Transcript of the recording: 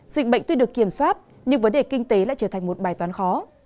dịch bệnh tuy được kiểm soát nhưng vấn đề kinh tế lại trở thành một bài toán khó